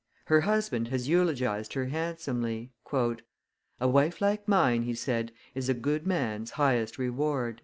Her husband has eulogized her handsomely. "A wife like mine," he said, "is a good man's highest reward."